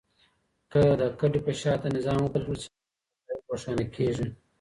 که د کډه په شاته نظام وپلټل سي، نو ډېر حقایق روښانه کيږي.